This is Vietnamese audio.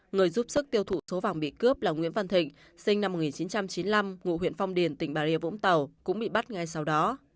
người giúp sức tiêu thụ số vàng bị cướp là nguyễn văn thịnh sinh năm một nghìn chín trăm chín mươi năm ngụ huyện phong điền tỉnh bà rịa vũng tàu cũng bị bắt ngay sau đó